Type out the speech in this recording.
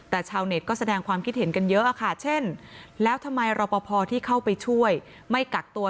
แต่ชาวเน็ตก็แสดงความคิดเห็นกันเยอะค่ะเช่นแล้วทำไมรอปภที่เข้าไปช่วยไม่กักตัว